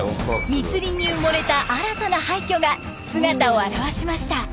密林に埋もれた新たな廃虚が姿を現しました。